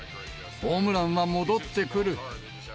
ホームランは戻ってくる。